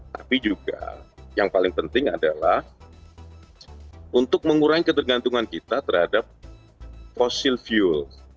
tapi juga yang paling penting adalah untuk mengurangi ketergantungan kita terhadap fossil fuel